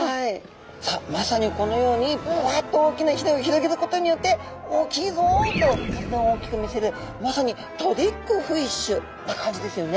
さあまさにこのようにブワッと大きなひれを広げることによって「大きいぞ！」と体を大きく見せるまさにトリックフィッシュな感じですよね。